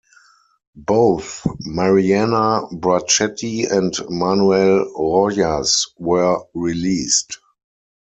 Both Mariana Bracetti and Manuel Rojas were released.